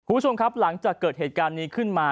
คุณผู้ชมครับหลังจากเกิดเหตุการณ์นี้ขึ้นมา